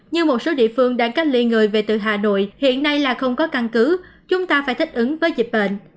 như một số địa phương đang cách ly người về từ hà nội hiện nay là không có căn cứ chúng ta phải thích ứng với dịch bệnh